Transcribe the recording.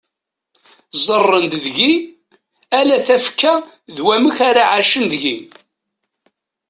Ẓẓaren-d deg-i ala tafekka d wamek ara ɛicen deg-i.